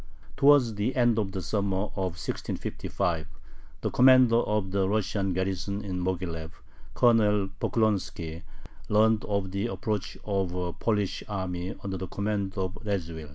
Towards the end of the summer of 1655 the commander of the Russian garrison in Moghilev, Colonel Poklonski, learned of the approach of a Polish army under the command of Radziwill.